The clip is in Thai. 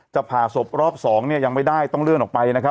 จริงน้องน้อง